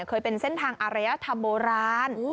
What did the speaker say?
เคยเป็นเส้นทางอารยธรรมโบราณ